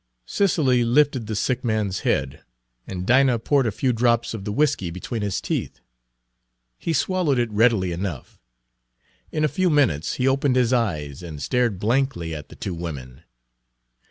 Cicely lifted the sick man's head, and Dinah poured a few drops of the whiskey between his teeth. He swallowed it readily enough. In a few minutes he opened his eyes and stared blankly at the two women.